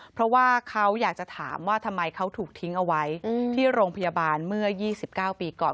เพราะว่าเขาอยากจะถามว่าทำไมเขาถูกทิ้งเอาไว้ที่โรงพยาบาลเมื่อ๒๙ปีก่อน